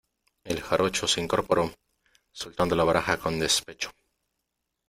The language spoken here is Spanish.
el jarocho se incorporó , soltando la baraja con despecho :